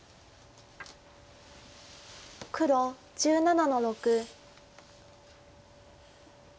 黒１７の六。